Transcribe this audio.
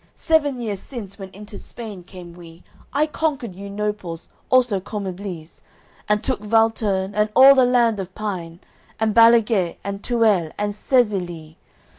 Seven years since, when into Spain came we, I conquer'd you Noples also Commibles, And took Valterne, and all the land of Pine, And Balaguet, and Tuele, and Sezilie.